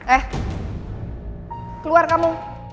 eh keluar kamu